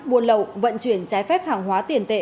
buôn lậu vận chuyển trái phép hàng hóa tiền tệ